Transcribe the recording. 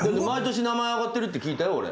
毎年名前上がっているって聞いたよ。